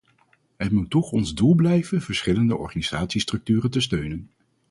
Het moet toch ons doel blijven verschillende organisatiestructuren te steunen.